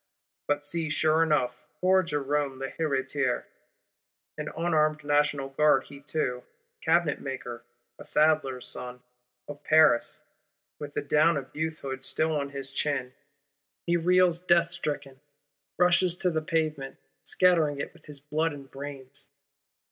But see, sure enough, poor Jerôme l'Héritier, an unarmed National Guard he too, "cabinet maker, a saddler's son, of Paris," with the down of youthhood still on his chin,—he reels death stricken; rushes to the pavement, scattering it with his blood and brains!